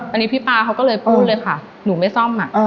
อันนี้พี่ป๊าเขาก็เลยพูดเลยค่ะหนูไม่ซ่อม